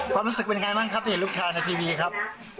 ความรู้สึกเป็นไงบ้างครับที่เห็นลูกชายในทีวีครับ